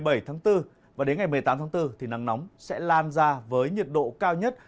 đến ngày một mươi bảy bốn và đến ngày một mươi tám bốn thì nắng nóng sẽ lan ra với nhiệt độ cao nhất